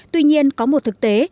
tuy nhiên có một thực tế